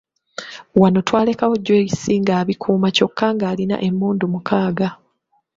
Wano twalekawo Joyce ng'abikuuma kyokka ng'alina emmundu mukaaga.